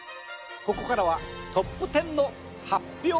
ここからはトップ１０の発表です。